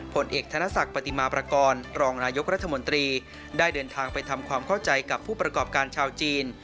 ผลเอกธนศักดิ์ปฏิมาประกอบรองนายกรัฐมนตรีได้เดินทางไปทำความเข้าใจกับผู้ประกอบการชาวจีน